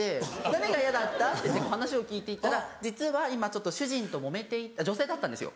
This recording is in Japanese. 「何が嫌だった？」って話を聞いて行ったら「実は今主人ともめて」あっ女性だったんですよ。